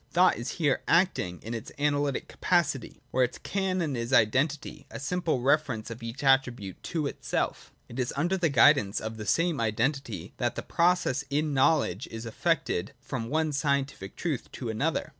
Thought is here acting in its analytic capacity, where its canon is identity, a simple reference of each attribute to itself. It is under the guidance of the same identity that the process in knowledge is effected from one scientific truth to another.